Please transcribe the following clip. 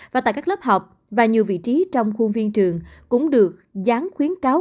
và tại các lớp học và nhiều vị trí trong khuôn viên trường cũng được gián khuyến cáo